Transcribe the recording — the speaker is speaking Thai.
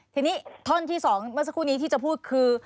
ทีนี้ท่อนที่๒เมื่อสักครู่นี้ที่จะพูดคือ